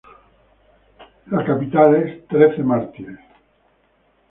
La capital es Trece Mártires.